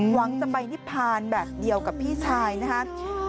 หวังจะไปนิพพานแบบเดียวกับพี่ชายนะครับ